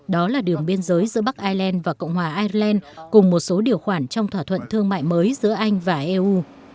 đó là đường biên giới giữa bắc ireland và cộng hòa ireland cùng một số điều khoản trong thỏa thuận thương mại mới giữa anh và eu